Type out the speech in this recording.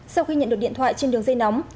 sau khi nhận được điện thoại trên đường dây nóng